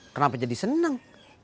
kenapa jadi senang